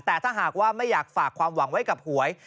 แต่ถ้าหากว่าไม่อยากฝากความหวังไว้กับหวย